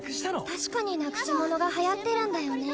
確かになくしものがはやってるんだよね